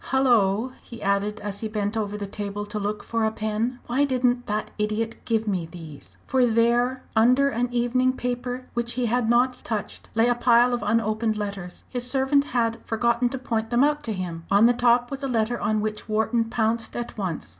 "Hullo!" he added, as he bent over the table to look for a pen; "why didn't that idiot give me these?" For there, under an evening paper which he had not touched, lay a pile of unopened letters. His servant had forgotten to point them out to him. On the top was a letter on which Wharton pounced at once.